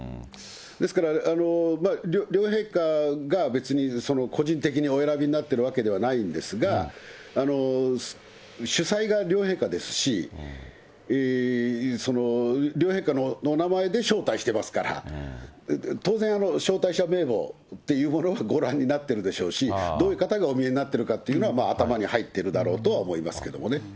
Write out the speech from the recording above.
ですから両陛下が別に、個人的にお選びになっているわけではないんですが、主催が両陛下ですし、両陛下のお名前で招待してますから、当然、招待者名簿っていうものはご覧になってるでしょうし、どういう方がお見えになってるかということは、頭に入ってるだろうとは思いますけれどもね。